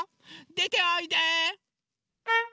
でておいで！